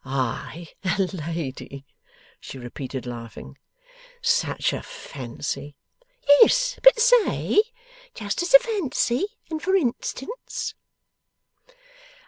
'I a lady!' she repeated, laughing. 'Such a fancy!' 'Yes. But say: just as a fancy, and for instance.